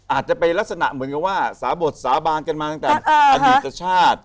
อาจจะเป็นลักษณะเหมือนกับว่าสาบดสาบานกันมาตั้งแต่อดีตชาติ